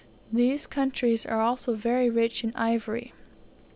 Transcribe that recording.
These countries are also very rich in ivory.